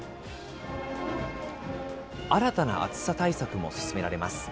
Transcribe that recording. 新たな暑さ対策も進められます。